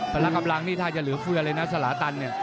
ละกำลังนี่ถ้าจะเหลือเฟือเลยนะสลาตันเนี่ย